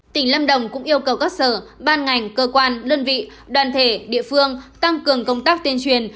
tỉnh lâm đồng cũng yêu cầu các sở ban ngành cơ quan đơn vị đoàn thể địa phương tăng cường công tác tuyên truyền